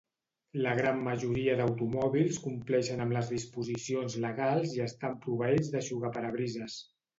La gran majoria d'automòbils compleixen amb les disposicions legals i estan proveïts d'eixugaparabrises.